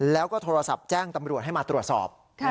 แล้วก็โทรศัพท์แจ้งตำรวจให้มาตรวจสอบ